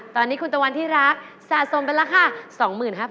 ตอนนี้คุณตะวันที่รักสะสมไปราคา๒๕๐๐บาท